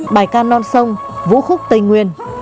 bài ca non sông vũ khúc tây nguyên